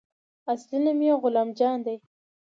اصلي نوم يې غلام جان دى.